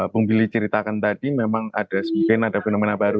bung billy ceritakan tadi memang ada mungkin ada fenomena baru